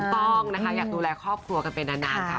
ต้องนะคะอยากดูแลครอบครัวกันไปนานค่ะ